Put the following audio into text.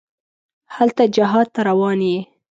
هلته جهاد ته روان یې.